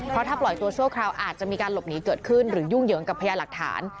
เพราะถ้าปล่อยตัวชั่วคราวอาจจะมีการหลบหนีเกิดขึ้นหรือยุ่งเหยิงกับพญาหลักฐาน